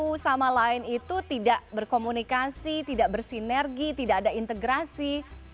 satu sama lain itu tidak berkomunikasi tidak bersinergi tidak ada integrasi